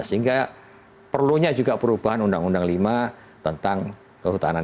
sehingga perlunya juga perubahan undang undang lima tentang kehutanan